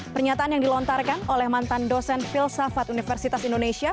pernyataan yang dilontarkan oleh mantan dosen filsafat universitas indonesia